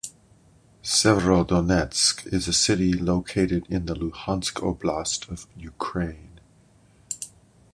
Severodonetsk is a city located in the Luhansk Oblast of Ukraine.